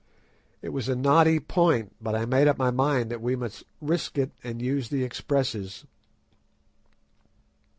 It was a knotty point, but I made up my mind that we must risk it and use the expresses.